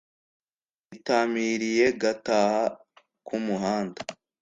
nyitamiriye ngataha kumuhanda.